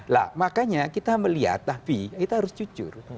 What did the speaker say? nah makanya kita melihat tapi kita harus jujur